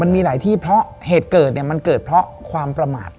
มีหลายที่เพราะเหตุเกิดเนี่ยมันเกิดเพราะความประมาท